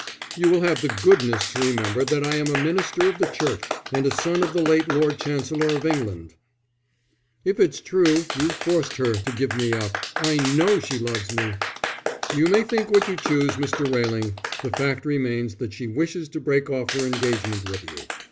"You will have the goodness to remember that I am a minister of the Church and a son of the late Lord Chancellor of England." "If it's true, you've forced her to give me up. I know she loves me." "You may think what you choose, Mr. Railing. The fact remains that she wishes to break off her engagement with you.